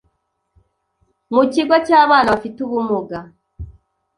mu kigo cy’abana bafite ubumuga